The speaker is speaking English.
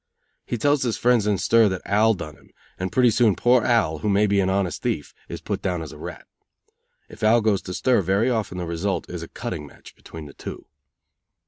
He tells his friends in stir that "Al done him," and pretty soon poor Al, who may be an honest thief, is put down as a rat. If Al goes to stir very often the result is a cutting match between the two.